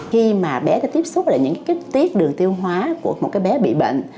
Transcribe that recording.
khi mà bé đã tiếp xúc lại những cái tiết đường tiêu hóa của một cái bé bị bệnh